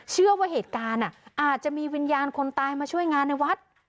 เชื่อว่าเหตุการณ์อาจจะมีวิญญาณคนตายมาช่วยงานในวัด